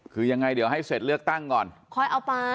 คือยังไงเดี๋ยวให้เสร็จเลือกตั้งก่อนคอยเอาไป